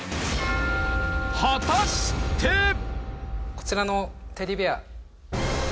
こちらのテディベア。